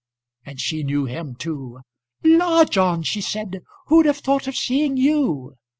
And she knew him too. "La, John," she said, "who'd have thought of seeing you?"